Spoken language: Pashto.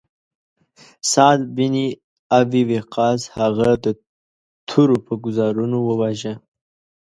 سعد بن ابی وقاص هغه د تورو په ګوزارونو وواژه.